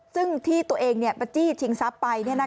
ซึ่งที่ตัวเองเนี่ยประจีดชิงซับไปเนี่ยนะคะ